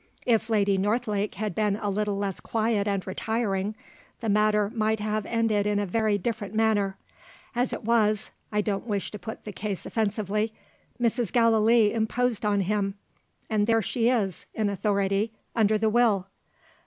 If Lady Northlake had been a little less quiet and retiring, the matter might have ended in a very different manner. As it was (I don't wish to put the case offensively) Mrs. Gallilee imposed on him and there she is, in authority, under the Will.